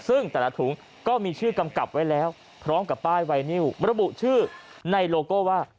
ซึ่งแต่ละถุงก็มีชื่อกำกับไว้แล้วพร้อมกับป้ายไวนิวระบุชื่อในโลโก้ว่า